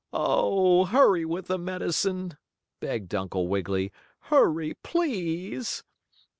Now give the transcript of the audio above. "Oh, hurry with the medicine!" begged Uncle Wiggily. "Hurry, please!"